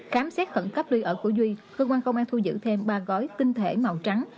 khám xét khẩn cấp nơi ở của duy cơ quan công an thu giữ thêm ba gói tinh thể màu trắng